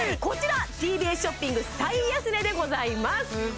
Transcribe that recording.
こちらＴＢＳショッピング最安値でございます